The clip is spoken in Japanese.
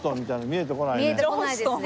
見えてこないですね。